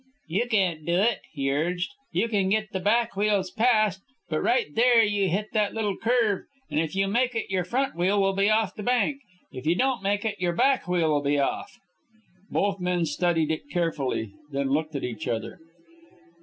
"You can't do it," he urged. "You can get the back wheels past, but right there you hit that little curve, and if you make it your front wheel will be off the bank. If you don't make it, your back wheel'll be off." Both men studied it carefully, then looked at each other.